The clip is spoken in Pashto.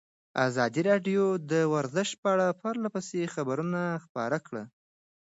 ازادي راډیو د ورزش په اړه پرله پسې خبرونه خپاره کړي.